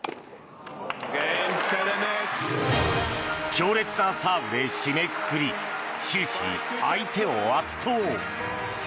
強烈なサーブで締めくくり終始、相手を圧倒。